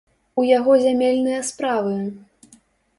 У яго зямельныя справы!